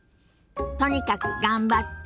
とにかく頑張って。